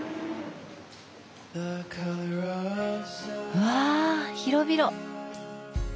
うわ広々！